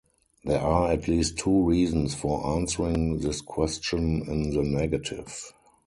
There are at least two reasons for answering this question in the negative.